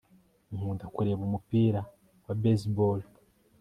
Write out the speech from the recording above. nkunda kureba umupira wa baseball